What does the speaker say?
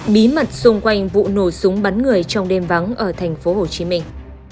bí mật xung quanh vụ nổ súng bắn người trong đêm vắng ở thành phố hồ chí minh